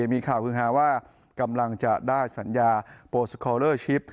มีข่าวคือฮาว่ากำลังจะได้สัญญาโปสคอลเลอร์ชิป